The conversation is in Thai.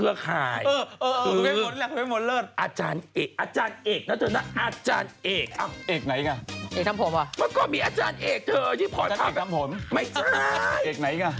ที่ผลภาพตัวใหญ่ไม่จ๊้ายอาจารย์เห็นอย่างนี้พาเขาไปไว้จ๋าอย่างนั้น